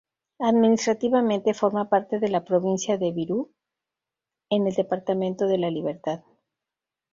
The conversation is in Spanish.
Administrativamente, forma parte de la provincia de Virú en el departamento de La Libertad.